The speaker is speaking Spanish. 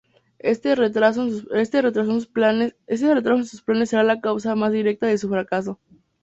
Este retraso en sus planes será la causa más directa de su fracaso.